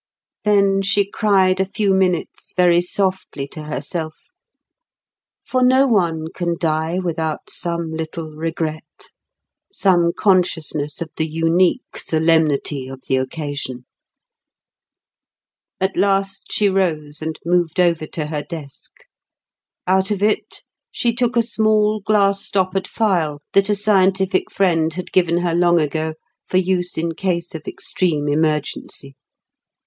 Then she cried a few minutes very softly to herself; for no one can die without some little regret, some consciousness of the unique solemnity of the occasion. At last she rose and moved over to her desk. Out of it she took a small glass stoppered phial, that a scientific friend had given her long ago for use in case of extreme emergency.